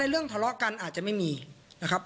เรื่องทะเลาะกันอาจจะไม่มีนะครับ